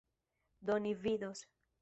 Do ni vidos.